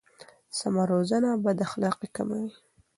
سمه روزنه بد اخلاقي کموي.